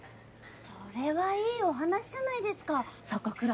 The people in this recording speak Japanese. それはいいお話じゃないですか酒蔵ＢＡＲ。